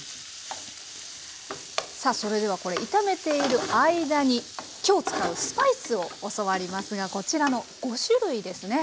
さあそれではこれ炒めている間に今日使うスパイスを教わりますがこちらの５種類ですね。